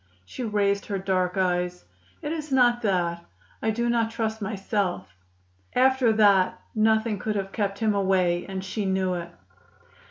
She raised her dark eyes. "It is not that. I do not trust myself." After that nothing could have kept him away, and she knew it.